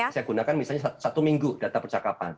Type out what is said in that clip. saya gunakan misalnya satu minggu data percakapan